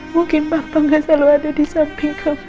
mungkin papa enggak selalu ada di samping kamu